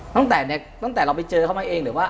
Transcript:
ตั้งแต่ตั้งแต่เราไปเจอเขามาเองหรือว่า